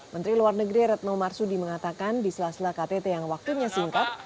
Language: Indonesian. menteri luar negeri retno marsudi mengatakan di sela sela ktt yang waktunya singkat